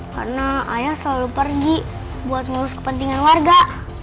karena ayah selalu pergi buat ngurus kepentingan warga